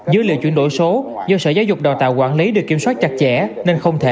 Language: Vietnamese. dưới lựa chuyển đổi số do sở giáo dục đào tạo quản lý được kiểm soát chặt chặt